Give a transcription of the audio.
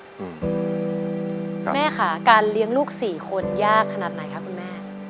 แม่ค่ะการเลี้ยงลูกสี่คนยากขนาดไหนคะคุณแม่